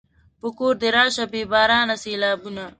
په کور دې راشه بې بارانه سېلابونه